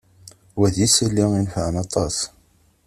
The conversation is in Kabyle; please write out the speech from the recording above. Wa d isali i inefεen aṭas.